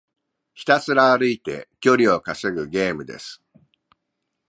ひたすら歩いて距離を稼ぐゲームです。